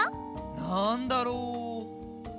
なんだろう？